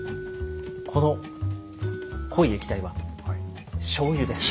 この濃い液体はしょうゆです。